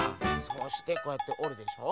そうしてこうやっておるでしょ。